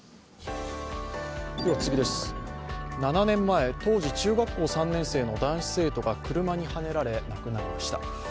７年前、当時中学校３年生の男子生徒が車にはねられ亡くなりました。